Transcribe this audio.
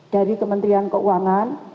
dari kementerian keuangan